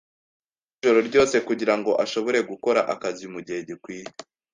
Yakoze ijoro ryose kugirango ashobore gukora akazi mugihe gikwiye.